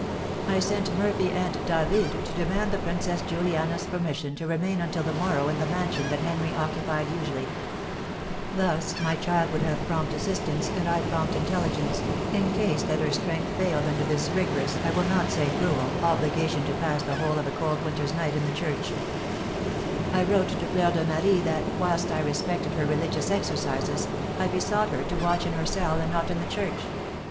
I sent Murphy and David to demand the Princess Juliana's permission to remain until the morrow in the mansion that Henry occupied usually; thus my child would have prompt assistance, and I prompt intelligence, in case that her strength failed under this rigorous, I will not say cruel, obligation to pass the whole of a cold winter's night in the church. [Illustration: "In the Church in Prayer" Original Etching by Mercier] I wrote to Fleur de Marie that, whilst I respected her religious exercises, I besought her to watch in her cell and not in the church.